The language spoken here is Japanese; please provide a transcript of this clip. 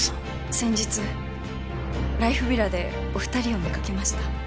先日ライフヴィラでお二人を見かけました